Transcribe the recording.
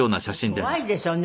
怖いでしょうね。